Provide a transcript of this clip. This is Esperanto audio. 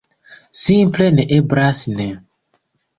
Simple ne eblas ne.